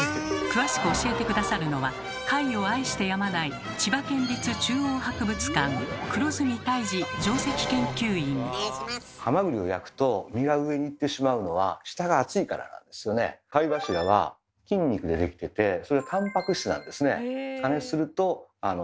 詳しく教えて下さるのは貝を愛してやまないハマグリを焼くと身が上にいってしまうのは貝柱は筋肉でできててそれはたんぱく質なんですね。